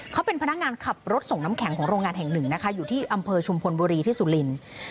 เขาเป็นพนักงานขับรถส่งน้ำแข็งของโรงงานแห่งหนึ่งนะคะอยู่ที่อำเภอชุมพลบุรีที่สุรินทร์